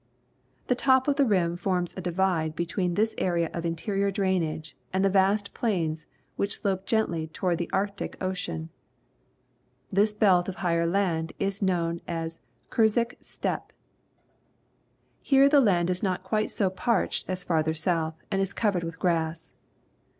The top of the rim forms a divide between this area of interior drainage and the vast plains which slope gently toward the Arctic Ocean. This belt of higher land is known as the K hirgiz Steppe. Here the land is not quite so parched as farther south and is covered with grass.